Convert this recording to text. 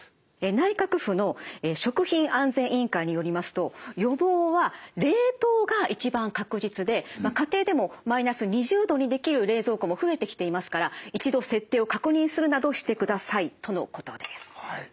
内閣府の食品安全委員会によりますと予防は冷凍が一番確実で家庭でもマイナス２０℃にできる冷蔵庫も増えてきていますから一度設定を確認するなどしてくださいとのことです。